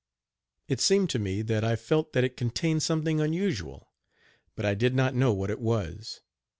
It seemed to me that I felt that it contained something unusual, but I did not know what it was.